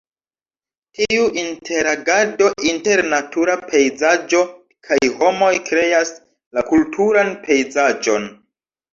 Tiu interagado inter natura pejzaĝo kaj homoj kreas la kulturan pejzaĝon.